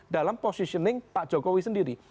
dalam positioning pak jokowi sendiri